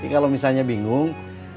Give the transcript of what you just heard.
kalau misalnya bingung